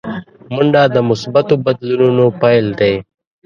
منډه د مثبتو بدلونونو پیل دی